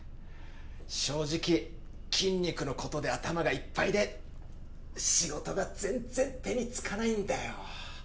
正直筋肉のことで頭がいっぱいで仕事が全然手につかないんだよ。